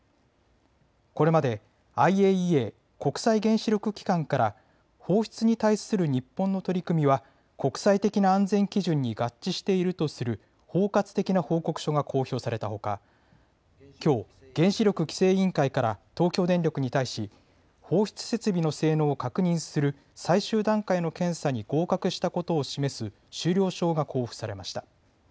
これまでＩＡＥＡ・国際原子力機関から放出に対する日本の取り組みは国際的な安全基準に合致しているとする包括的な報告書が公表されたほかきょう原子力規制委員会から東京電力に対し放出設備の性能を確認する最終段階の検査に合格したことを示す終了証が交付されました。